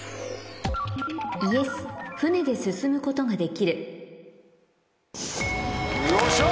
Ｙｅｓ船で進むことができるよっしゃ！